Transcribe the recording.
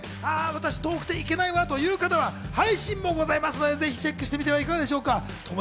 私、遠くて行けないわという方、配信もございますんで、ぜひチェックしてみてはいかがでしょうか。